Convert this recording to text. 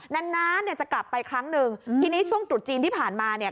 นานนานเนี่ยจะกลับไปครั้งหนึ่งทีนี้ช่วงตรุษจีนที่ผ่านมาเนี่ย